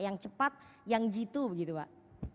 yang cepat yang jitu begitu pak